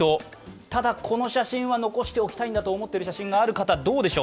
ただこの写真は残しておきたいと思っている写真がある人、どうでしょう。